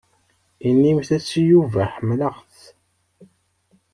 Inimt-as i Yuba ḥemmleɣ-t.